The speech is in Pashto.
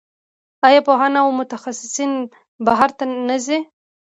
آیا پوهان او متخصصین بهر ته نه ځي؟